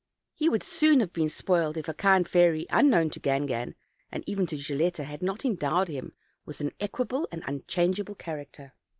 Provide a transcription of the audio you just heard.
He would soon have been spoiled if a kind fairy, unknown to Gangan and even to Gilletta, had not endowed him with an equable and unchangeable char acter.